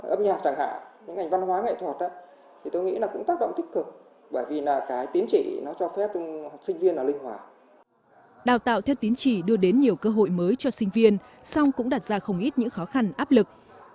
âm nhạc chẳng hạn những ngành văn hóa nghệ thuật thì tôi nghĩ là cũng tác động tích cực